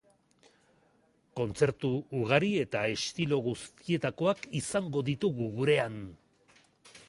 Kontzertu ugari eta estilo guztietakoak izango ditugu gurean.